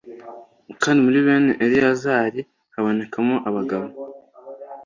Kandi muri bene Eleyazari habonekamo abagabo